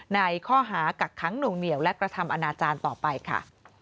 ในข้อหากักขังหน่วงเหนียวและกระทำอนาจารย์ต่อไปค่ะ